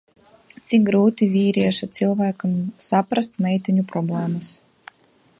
Cik grūti vīrieša cilvēkam saprast meiteņu problēmas!